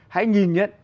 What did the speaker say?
hãy nhìn nhận